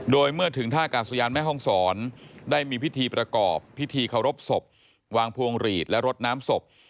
โดยเมื่อถึงท่ากาศยานแม่ห้องศรได้มีพิธีประกอบพิธีเคารพศพวางพวงหลีดและรดน้ำศพ